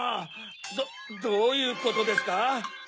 どういうことですか？